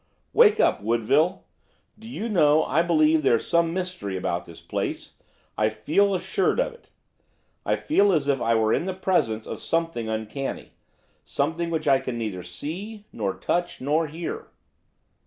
'Wake up, Woodville! Do you know I believe there's some mystery about this place, I feel assured of it. I feel as if I were in the presence of something uncanny, something which I can neither see, nor touch, nor hear.